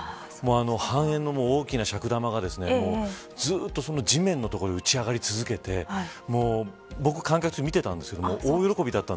半円の大きなしゃく玉がずっと地面の所で打ち上がり続けて僕、観客として見てたんですけど大喜びだった。